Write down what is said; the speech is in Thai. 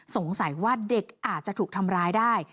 สงสัยว่าเด็กอาจจะถูกทำร้ายได้